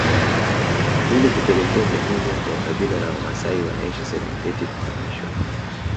Ili kupelekea jamii yote ya kabila la Wamasai wanaishi Serengeti kuhamishwa